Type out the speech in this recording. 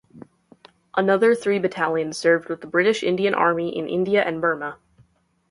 Another three battalions served with the British Indian Army in India and Burma.